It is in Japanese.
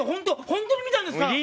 本当に見たんですから！